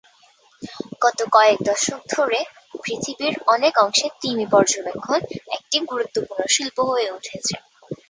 গত কয়েক দশক ধরে, পৃথিবীর অনেক অংশে তিমি পর্যবেক্ষণ একটি গুরুত্বপূর্ণ শিল্প হয়ে উঠেছে।